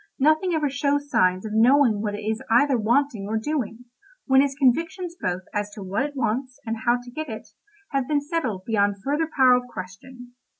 Nothing ever shows signs of knowing what it is either wanting or doing, when its convictions both as to what it wants, and how to get it, have been settled beyond further power of question.